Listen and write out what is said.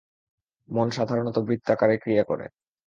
মন সাধারণত বৃত্তাকারে ক্রিয়া করে।